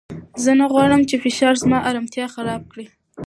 زه نه غواړم چې فشار زما ارامتیا خراب کړي.